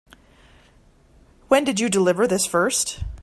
When did you deliver this first?